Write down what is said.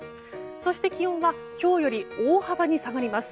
そして、気温は今日より大幅に下がります。